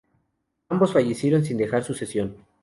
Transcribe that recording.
Ambos fallecieron sin dejar sucesión.